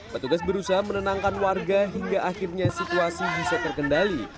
petugas berusaha menenangkan warga hingga akhirnya situasi bisa terkendali